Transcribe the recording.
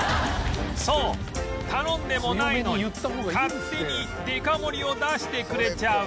そう頼んでもないのに勝手にデカ盛りを出してくれちゃう